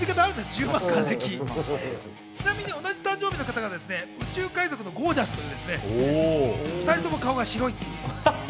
同じ誕生日の方が宇宙海賊のゴー☆ジャスと２人とも顔が白い。